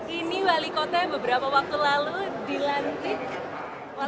ini wali kota beberapa waktu lalu dilantik